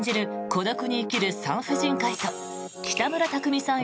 孤独に生きる産婦人科医と北村匠海さん